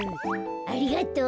ありがとう。